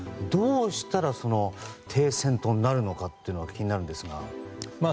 どうしたら停戦となるのかというのが気になるんですが。